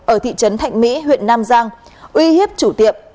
ở thị trấn thạnh mỹ huyện nam giang uy hiếp chủ tiệm